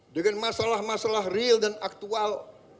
dengan masalah masalah real dan aktual